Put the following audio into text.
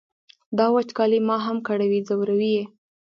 دا وچکالي ما هم کړوي ځوروي یې.